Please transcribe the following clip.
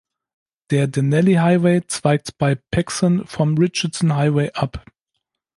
Der Denali Highway zweigt bei Paxson vom Richardson Highway ab.